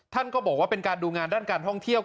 ท่านก็บอกว่าเป็นการดูงานด้านการท่องเที่ยว